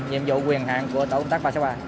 nhiệm vụ quyền hạng của tổ công tác ba trăm sáu mươi ba